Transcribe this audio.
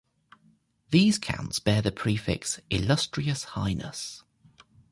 These counts bear the prefix, Illustrious Highness.